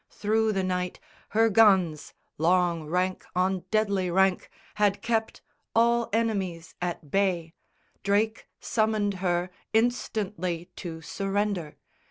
Through the night Her guns, long rank on deadly rank, had kept All enemies at bay. Drake summoned her Instantly to surrender.